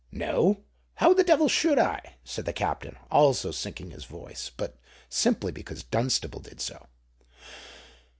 "No: how the devil should I?" said the Captain, also sinking his voice—but simply because Dunstable did so.